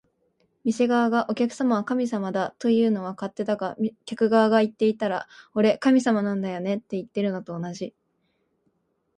店側が「お客様は神様だ」というのは勝手だが、客側が言っていたら「俺、神様なんだよね」っていってるのと同じ